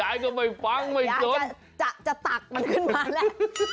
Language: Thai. ยายก็ไม่ฟังไม่จบจะตักมันขึ้นมาแล้ว